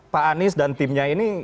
pak anies dan timnya ini